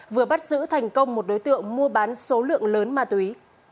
vừa bắt giữ thành công một đối tượng mua bán số lượng lớn ma túy